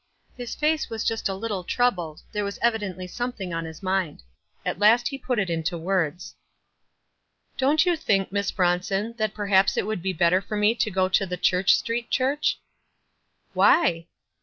His face was just a little troubled ; there was evidently something on his mind. At last he put it into words. "Don't you think, Miss Bronson, that per 80 WISE AND OTHERWISE. haps it would be better for me to go to the Church Street Church?" "Why?"